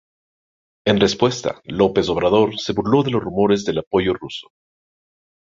En respuesta, López Obrador se burló de los rumores del apoyo ruso.